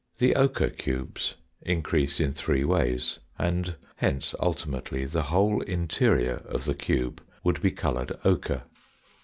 The ochre cubes increase in three ways, and hence ulti mately the whole interior of the cube would be coloured ochre.